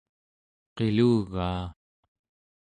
qilugaa